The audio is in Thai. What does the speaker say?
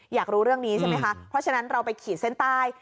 อยากรู้เรื่องนี้ใช่ไหมคะเพราะฉะนั้นเราไปขีดเส้นใต้